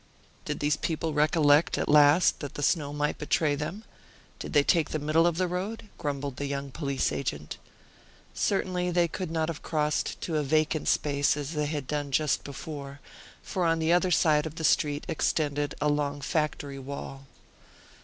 "Did these people recollect at last that the snow might betray them? Did they take the middle of the road?" grumbled the young police agent. Certainly they could not have crossed to a vacant space as they had done just before, for on the other side of the street extended a long factory wall.